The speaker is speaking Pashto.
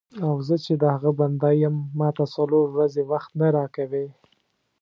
او زه چې د هغه بنده یم ماته څلور ورځې وخت نه راکوې.